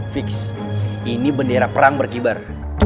fix ini bendera perang berkibar